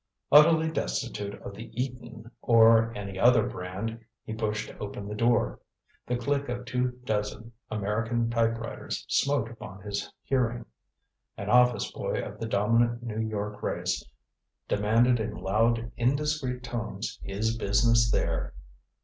Utterly destitute of the Eton or any other brand, he pushed open the door. The click of two dozen American typewriters smote upon his hearing. An office boy of the dominant New York race demanded in loud indiscreet tones his business there.